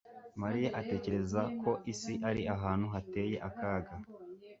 Mariya atekereza ko isi ari ahantu hateye akaga.